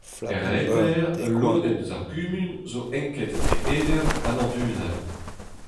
Er reter, ul lodenn eus ar gumun zo enket etre Edern ha Landudal.